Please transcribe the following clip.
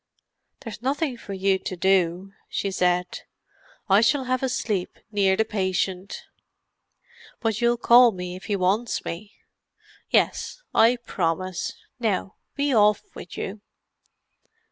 "There's nothing for you to do," she said. "I shall have a sleep near the patient." "But you'll call me if he wants me?" "Yes—I promise. Now be off with you."